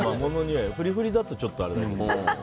フリフリだとちょっとあれだけど。